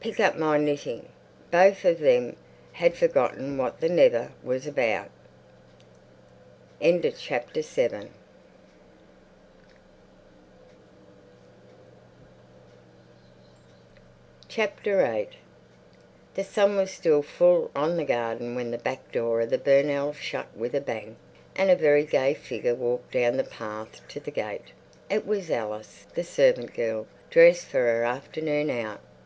"Pick up my knitting." Both of them had forgotten what the "never" was about. VIII The sun was still full on the garden when the back door of the Burnells' shut with a bang, and a very gay figure walked down the path to the gate. It was Alice, the servant girl, dressed for her afternoon out.